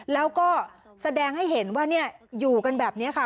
แล้วก็แสดงให้เห็นว่าอยู่กันแบบนี้ค่ะ